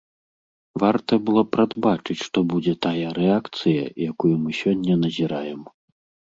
Варта было прадбачыць, што будзе тая рэакцыя, якую мы сёння назіраем.